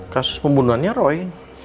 kasus pembunuhannya roy